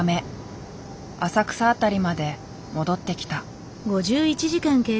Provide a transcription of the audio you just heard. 浅草辺りまで戻ってきた。